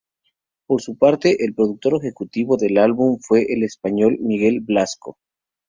Por su parte, el productor ejecutivo del álbum fue el español Miguel Blasco.